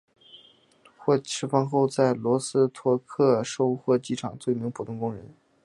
获释放后在罗斯托克收获机厂做一名普通工人。